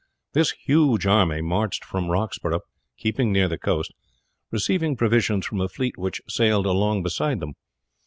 This huge army marched from Roxburgh, keeping near the coast, receiving provisions from a fleet which sailed along beside them.